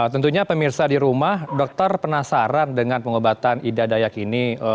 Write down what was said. tentunya pemirsa di rumah dokter penasaran dengan pengobatan ida dayak ini